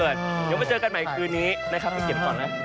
เดี๋ยวมาเจอกันใหม่คืนนี้นะครับ